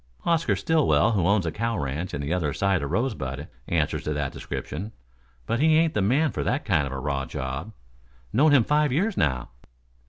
Oscar Stillwell who owns a cow ranch on the other side of the Rosebud, answers to that description, but he ain't the man for that kind of a raw job. Known him five years now."